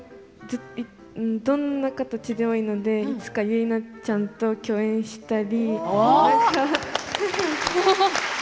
どんな形でもいいのでいつか結菜ちゃんと共演したい。